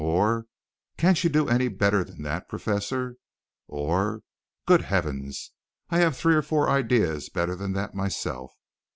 or "can't you do any better than that, professor?" or "good heavens, I have three or four ideas better than that myself."